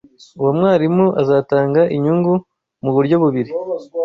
uwo mwarimu azatanga inyungu mu buryo bubiri